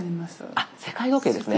あっ世界時計ですね。